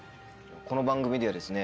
この番組ではですね